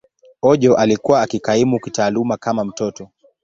Ojo alikuwa akikaimu kitaaluma kama mtoto.